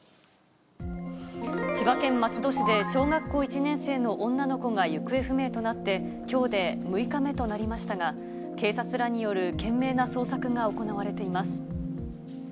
千葉県松戸市で、小学校１年生の女の子が行方不明となって、きょうで６日目となりましたが、警察らによる懸命な捜索が行われています。